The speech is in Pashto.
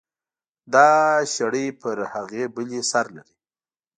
دا شړۍ پر هغې بلې سر لري.